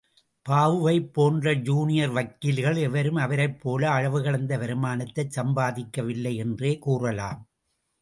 பாபுவைப் போன்ற ஜூனியர் வக்கீல்கள் எவரும் அவரைப் போல அளவுகடந்த வருமானத்தைச் சம்பாதிக்கவில்லை என்றே கூறலாம்.